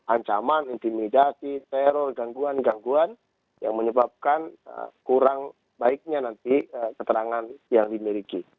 ancaman intimidasi teror gangguan gangguan yang menyebabkan kurang baiknya nanti keterangan yang dimiliki